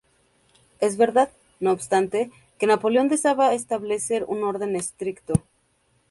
Es verdad, no obstante, que Napoleón deseaba establecer un orden estricto.